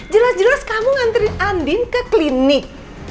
jelas jelas kamu ngantri andin ke klinik